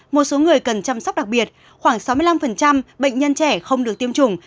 một số người cần chăm sóc đặc biệt khoảng sáu mươi năm bệnh nhân trẻ không được tiêm chủng